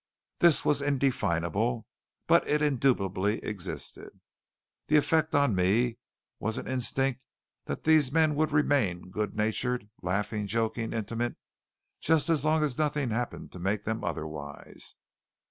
This was indefinable, but it indubitably existed. The effect on me was an instinct that these men would remain good natured, laughing, joking, intimate, just as long as nothing happened to make them otherwise.